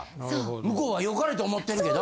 向こうは良かれと思ってるけど。